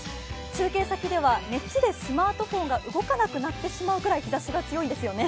中継先では熱でスマートフォンが動かなくなってしまうくらい日ざしが強いんですよね。